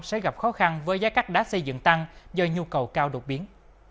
sẽ gặp khó khăn với giá cắt đá xây dựng tăng do nhu cầu cao đột biến